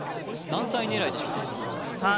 何歳狙いでしょうか？